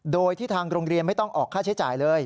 โดยที่ทางโรงเรียนไม่ต้องออกค่าใช้จ่ายเลย